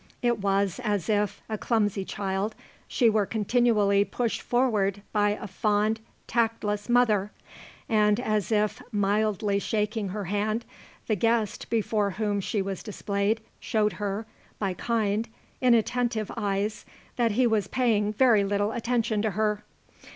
It was as if, a clumsy child, she were continually pushed forward by a fond, tactless mother, and as if, mildly shaking her hand, the guest before whom she was displayed showed her, by kind, inattentive eyes, that he was paying very little attention to her.